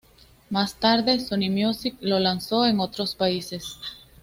Más tarde Sony Music lo lanzó en otros países.